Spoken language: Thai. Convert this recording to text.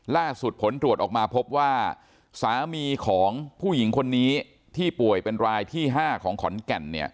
ผลตรวจออกมาพบว่าสามีของผู้หญิงคนนี้ที่ป่วยเป็นรายที่๕ของขอนแก่น